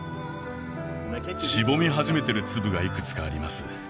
しぼみ始めてる粒がいくつかあります